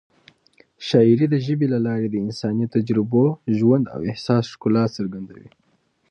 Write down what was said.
شاعري د ژبې له لارې د انساني تجربو، ژوند او احساس ښکلا څرګندوي.